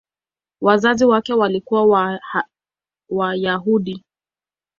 Wazazi wake walikuwa Wayahudi.